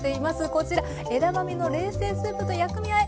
こちら「枝豆の冷製スープ」と「薬味あえ」。